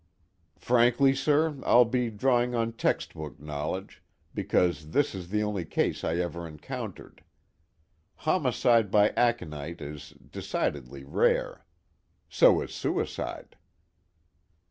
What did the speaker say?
"Frankly, sir, I'll be drawing on textbook knowledge, because this is the only case I ever encountered. Homicide by aconite is decidedly rare. So is suicide."